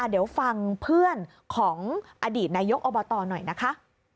เดี๋ยวฟังเพื่อนของอดีตนายกอบตหน่อยนะคะ